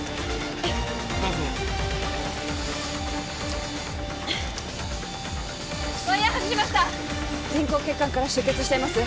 酸素をワイヤー外しました人工血管から出血しています